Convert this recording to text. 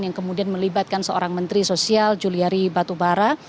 yang kemudian melibatkan seorang menteri sosial juliari batubara